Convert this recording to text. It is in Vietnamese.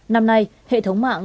năm nay hệ thống mạng